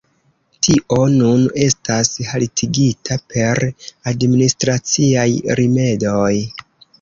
Tio nun estas haltigita per administraciaj rimedoj.